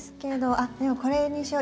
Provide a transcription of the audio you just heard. あっでもこれにしよう。